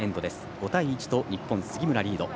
５対１と日本の杉村リード。